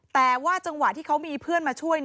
แต่ว่าจังหวะที่เขามีเพื่อนมาช่วย